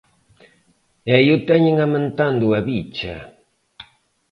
E aí o teñen amentando a bicha.